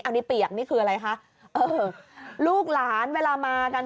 อันนี้เปียกนี่คืออะไรคะเออลูกหลานเวลามากัน